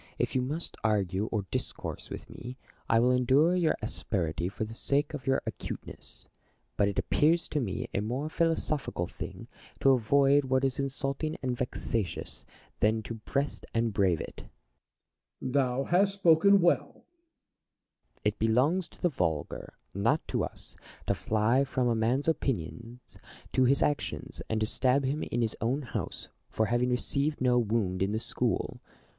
if you must argue or discourse with me, I will endure your asperity for the sake of your acute ness ; but it appears to mo a more philosophical thing to avoid what is insulting and vexatious, than to breast and brave it. Diogenes. Thou hast spoken well DIOGENES AND PLATO. 179 Plato. It belongs to the vulgar, not to us, to fly from a man's opinions to his actions, and to stab him in his own house for having received no "wound in the school.